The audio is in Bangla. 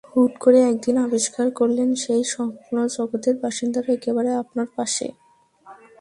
হুট করে একদিন আবিষ্কার করলেন, সেই স্বপ্নজগতের বাসিন্দারা একেবারে আপনার পাশে।